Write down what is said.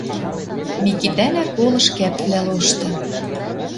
Микитӓнӓ колыш кӓпвлӓ лошты